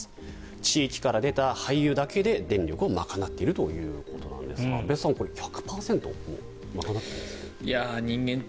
地域から出た廃油だけで電力を賄っているということですが安部さん１００％賄っているんですって。